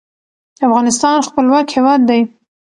افغانستان خپلواک هیواد دی.